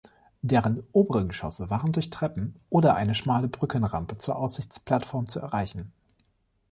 Deren obere Geschosse waren durch Treppen oder eine schmale Brückenrampe zur Aussichtsplattform zu erreichen.